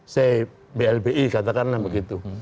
say blbi katakanlah begitu